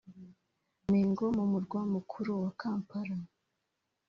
Mengo mu murwa mukuru wa Kampala